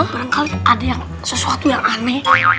barangkali ada sesuatu yang aneh